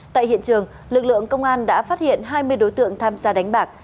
tại hiện trường lực lượng công an đã phát hiện hai mươi đối tượng tham gia đánh bạc